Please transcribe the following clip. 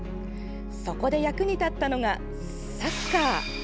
そこで役に立ったのがサッカー。